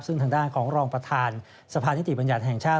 ซึ่งทางด้านของรองประธานสภานิติบัญญัติแห่งชาติ